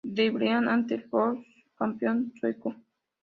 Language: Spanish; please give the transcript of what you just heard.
Debrecen ante el Elfsborg, campeón sueco.